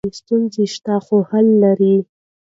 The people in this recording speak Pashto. ستونزې شته خو حل لري.